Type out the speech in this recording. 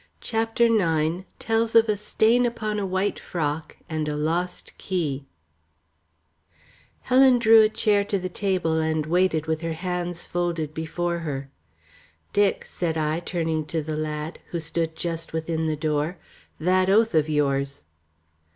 CHAPTER IX TELLS OF A STAIN UPON A WHITE FROCK, AND A LOST KEY Helen drew a chair to the table and waited with her hands folded before her. "Dick," said I, turning to the lad, who stood just within the door, "that oath of yours."